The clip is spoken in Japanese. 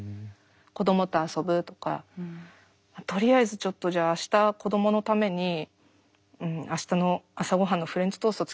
子どもと遊ぶとかとりあえずちょっとじゃあ明日子どものために明日の朝ごはんのフレンチトースト